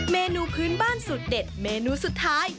เมนูพื้นบ้านสุดเด็ดเมนูสุดท้าย